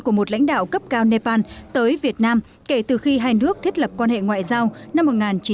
của một lãnh đạo cấp cao nepal tới việt nam kể từ khi hai nước thiết lập quan hệ ngoại giao năm một nghìn chín trăm bảy mươi